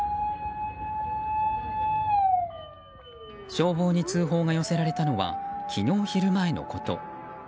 消防に通報が寄せられたのは昨日昼前のこと。